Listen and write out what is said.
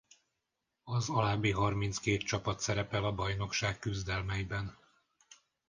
Az alábbi harminckét csapat szerepel a bajnokság küzdelmeiben.